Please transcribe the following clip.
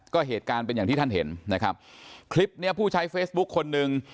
ก็เหตุการณ์เป็นอย่างที่ท่านเห็นนะครับคลิปเนี้ยผู้ใช้เฟซบุ๊คคนหนึ่ง